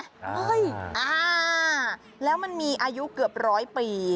อ่าแล้วมันมีอายุเกือบร้อยปี